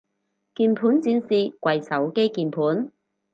鍵盤戰士跪手機鍵盤